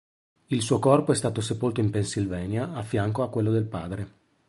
Il suo corpo è stato sepolto in Pennsylvania, a fianco a quello del padre.